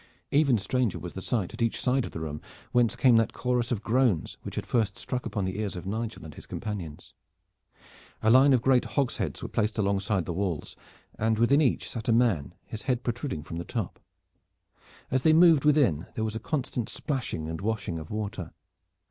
Even stranger was the sight at each side of the room, whence came that chorus of groans which had first struck upon the ears of Nigel and his companions. A line of great hogsheads were placed alongside the walls, and within each sat a man, his head protruding from the top. As they moved within there was a constant splashing and washing of water.